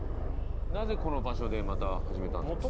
なぜこの場所でまた始めたんですか？